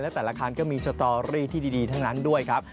และแต่ละคันก็มีสตอรี่ที่ดีทั้งนั้นด้วยครับ